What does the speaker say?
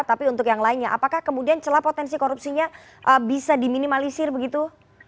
tapi untuk yang lainnya apakah kemudian celah potensi korupsinya bisa diminimalisir begitu